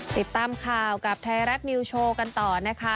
ติดตามข่าวกับไทยรัฐนิวโชว์กันต่อนะคะ